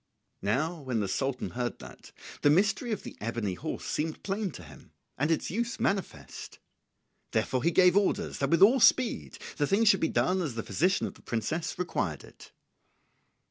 Now when the Sultan heard that, the mystery of the ebony horse seemed plain to him, and its use manifest. Therefore he gave orders that with all speed the thing should be done as the physician of the princess required it.